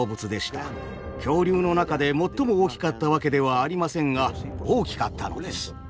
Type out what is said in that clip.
恐竜の中で最も大きかったわけではありませんが大きかったのです。